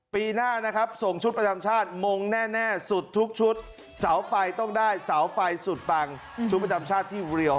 ปีหน้านะครับส่งชุดประจำชาติ